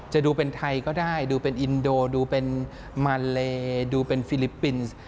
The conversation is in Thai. จะดูเป็นไทยก็ได้ดูเป็นอินโดดูเป็นมาเลดูเป็นฟิลิปปินส์